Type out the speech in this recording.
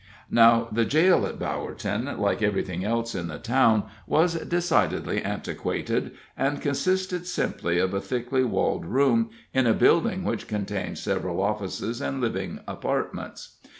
Now, the jail at Bowerton, like everything else in the town, was decidedly antiquated, and consisted simply of a thickly walled room in a building which contained several offices and living apartments.